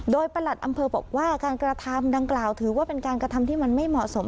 โดยประหลัดอำเภอบอกว่าการกระทำดังกล่าวถือว่าเป็นการกระทำที่มันไม่เหมาะสม